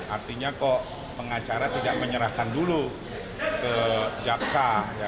artinya kok pengacara tidak menyerahkan dulu ke jaksa